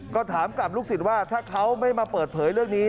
ก็ถามกับลูกศิษย์ว่าถ้าเขาไม่มาเปิดเผยเรื่องนี้